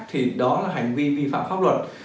thì đó là hành vi vi phạm khóc luật